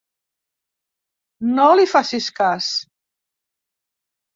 No li facis cas.